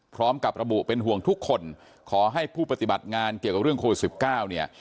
พร้อมกับระบุเป็นห่วงทุกคนขอให้ผู้ปฏิบัติงานเกี่ยวกับเรื่องโควิด๑๙เนี่ย